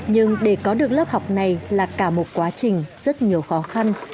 nhưng để có được lớp học này là cả một quá trình rất nhiều khó khăn